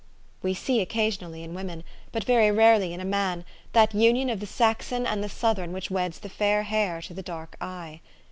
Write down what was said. We see occasionally in women, but very rarely in a man, that union of the Saxon and the Southern which weds the fair hair to the dark eye.